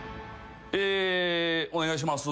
「お願いします」